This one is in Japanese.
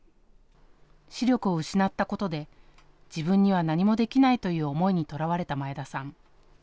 視力を失ったことで自分には何もできないという思いにとらわれた前田さん。